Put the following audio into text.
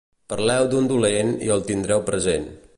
Parleu d'un dolent i el tindreu present.